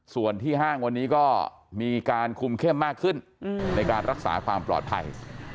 ส่วนที่ห้างวันนี้ก็มีการคุมเข้มมากขึ้นในการรักษาความปลอดภัย